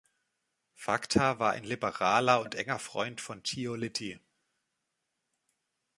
Facta war ein Liberaler und enger Freund von Giolitti.